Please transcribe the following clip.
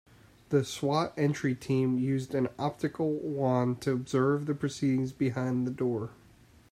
The S.W.A.T. entry team used an optical wand to observe the proceedings behind the door.